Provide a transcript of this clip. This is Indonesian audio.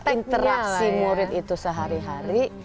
interaksi murid itu sehari hari